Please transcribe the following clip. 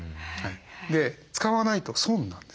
使わないと損なんです。